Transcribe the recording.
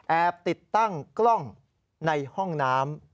ติดตั้งกล้องในห้องน้ำ